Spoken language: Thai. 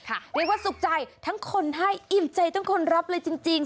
เรียกว่าสุขใจทั้งคนให้อิ่มใจทั้งคนรับเลยจริง